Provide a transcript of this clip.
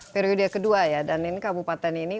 periode kedua ya dan ini kabupaten ini